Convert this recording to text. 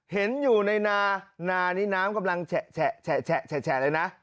เห็นอยู่ในนานานี่น้ำกำลังแฉะเลยนะ